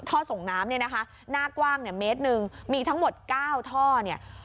ท่อส่งน้ำเนี่ยนะคะหน้ากว้างเนี่ยเมตรหนึ่งมีทั้งหมด๙ท่อเนี่ย